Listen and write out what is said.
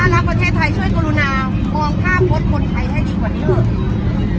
ถ้ารักประเทศไทยช่วยกรุณาความค่าควดคนไทยให้ดีกว่านี้แหละ